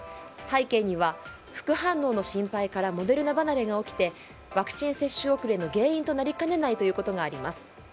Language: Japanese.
背景には、副反応の心配からモデルナ離れが起きてワクチン接種遅れの原因になりかねないということがあります。